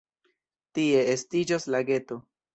Tie estiĝos lageto.